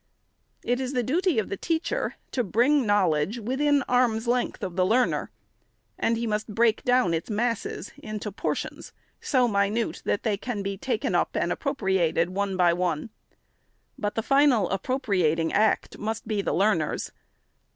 It is the duty of the teacher to bring knowledge within arm's length of the learner; and he must break down its masses into portions so minute, that they can be taken up and appropriated, one by one ; but the final appropri ating act must be the learner's.